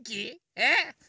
えっ？